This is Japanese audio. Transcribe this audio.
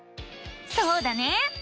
そうだね！